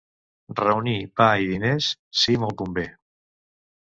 Reunir pa i diners, si molt convé.